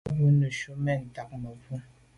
A bwô neju’ men ntag là mebwô.